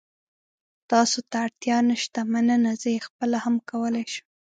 تاسو ته اړتیا نشته، مننه. زه یې خپله هم کولای شم.